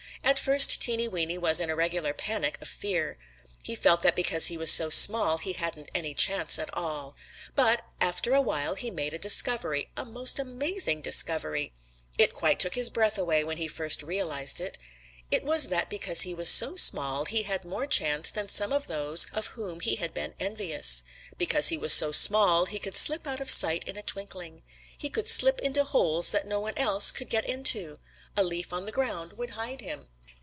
At first Teeny Weeny was in a regular panic of fear. He felt that because he was so small he hadn't any chance at all. But after a while he made a discovery, a most amazing discovery. It quite took his breath away when he first realized it. It was that because he was so small he had more chance than some of those of whom he had been envious. Because he was so small, he could slip out of sight in a twinkling. He could slip into holes that no one else could get into. A leaf on the ground would hide him.